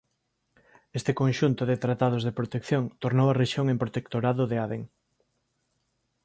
Este conxunto de tratados de protección tornou a rexión en Protectorado de Aden.